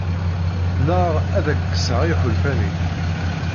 Neɣ ad ak-kkseɣ iḥulfan-ik.